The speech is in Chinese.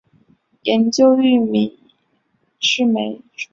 研究发现玉米赤霉醇是真菌感染作物中的污染物。